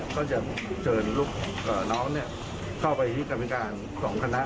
ก็จะเชิญลูกน้องเข้าไปที่กรรมการของคณะ